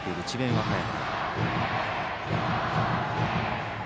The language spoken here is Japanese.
和歌山。